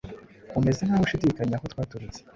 umeze nkaho ushidikanya aho twaturutse